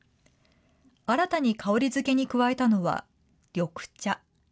新たに香りづけに加えたのは、緑茶。